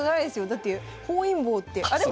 だって本因坊って。